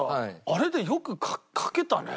あれでよく描けたね。